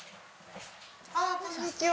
ああこんにちは。